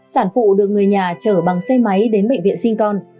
sản phụ được người nhà chở bằng xe máy đến bệnh viện sinh con